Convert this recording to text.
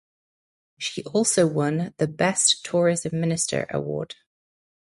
She also won the "Best Tourism Minister" award.